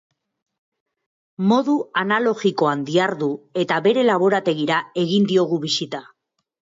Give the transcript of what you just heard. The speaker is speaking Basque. Modu analogikoan dihardu eta bere laborategira egin diogu bisita.